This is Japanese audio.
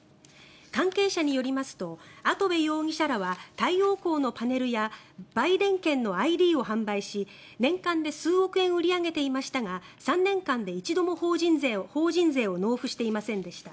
関係者によりますと跡部容疑者らは太陽光のパネルや売電権のＩＤを販売し年間で数億円売り上げていましたが３年間で一度も法人税を納付していませんでした。